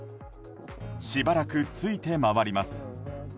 しばらく、ついて回ります。